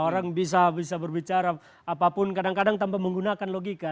orang bisa berbicara apapun kadang kadang tanpa menggunakan logika